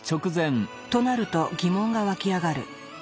となると疑問がわき上がる。